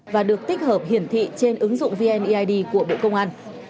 và được tích hợp hiển thị trên ứng dụng vneid của bộ công an